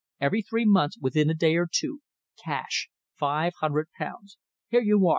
"Every three months, within a day or two, cash five hundred pounds. Here you are.